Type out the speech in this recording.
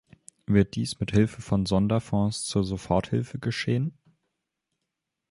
Wird dies mit Hilfe von Sonderfonds zur Soforthilfe geschehen?